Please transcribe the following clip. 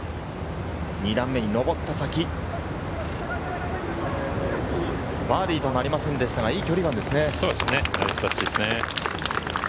２段目に上った先、バーディーとなりませんでしたが、いい距離でナイスタッチですね。